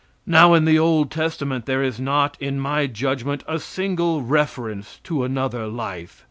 Now, in the Old Testament there is not in my judgment a single reference to another life.